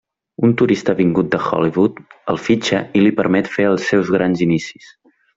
Un turista vingut de Hollywood el fitxa i li permet fer els seus grans inicis.